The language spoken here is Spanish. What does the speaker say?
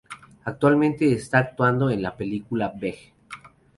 Actualmente está actuando en la película Beg.